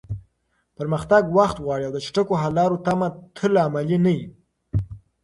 پرمختګ وخت غواړي او د چټکو حل لارو تمه تل عملي نه وي.